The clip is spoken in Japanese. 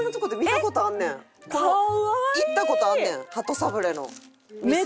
行った事あんねん鳩サブレーの店。